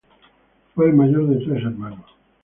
Fue el mayor de tres hermanos.